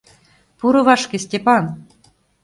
Пуро вашке, Степан!..